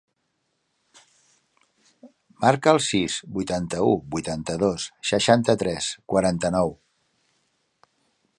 Marca el sis, vuitanta-u, vuitanta-dos, seixanta-tres, quaranta-nou.